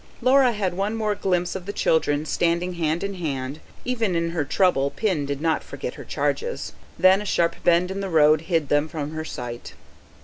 Laura had one more glimpse of the children standing hand in hand even in her trouble Pin did not forget her charges then a sharp bend in the road hid them from her sight.